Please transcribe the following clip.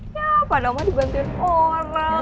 ya pada umat dibantuin orang